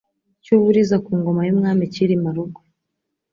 cy'u Buliza ku ngoma y'umwami Cyilima Rugwe,